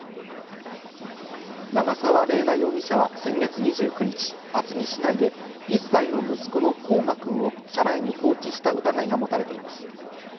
長沢麗奈容疑者は先月２９日、厚木市内で１歳の息子の煌翔くんを車内に放置した疑いが持たれています。